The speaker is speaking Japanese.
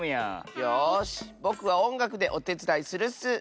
よしぼくはおんがくでおてつだいするッス！